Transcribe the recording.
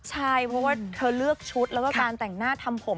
ใช่เพราะว่าเธอเลือกชุดแล้วก็การแต่งหน้าทำผม